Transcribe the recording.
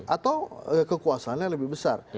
atau kekuasaannya lebih besar